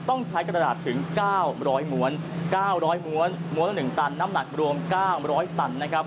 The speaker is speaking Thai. ต้องใช้กระดาษถึง๙๐๐ม้วน๙๐๐ม้วนม้วนละ๑ตันน้ำหนักรวม๙๐๐ตันนะครับ